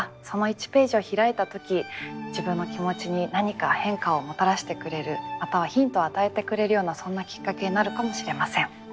その１ページを開いた時自分の気持ちに何か変化をもたらせてくれるまたはヒントを与えてくれるようなそんなきっかけになるかもしれません。